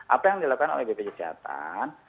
apa yang dilakukan oleh bpjs kesehatan